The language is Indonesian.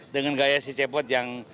dengan gaya si cebot yang